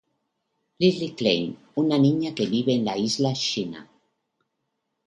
Lily Klein Una niña que vive en la isla Sheena.